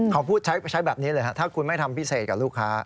เขาพูดใช้แบบนี้เลยครับถ้าคุณไม่ทำพิเศษกับลูกค้า